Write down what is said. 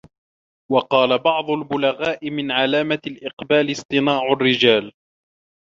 وَقَالَ بَعْضُ الْبُلَغَاءِ مِنْ عَلَامَةِ الْإِقْبَالِ اصْطِنَاعُ الرِّجَالِ